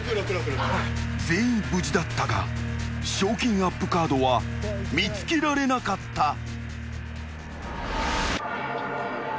［全員無事だったが賞金アップカードは見つけられなかった］